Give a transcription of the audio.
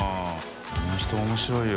この人面白いよ。